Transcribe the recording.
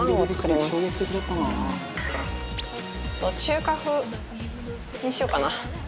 ちょっと中華風にしようかな。